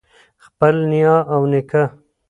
خپل نیا او نیکه